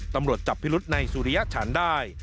ตำรวจจับพิรุษในสุริยฉันได้